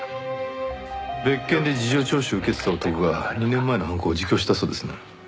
別件で事情聴取を受けてた男が２年前の犯行を自供したそうですね。